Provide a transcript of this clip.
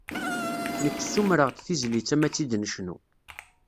Nekk ssumreɣ-d tizlit-a m'ad tt-id-necnu.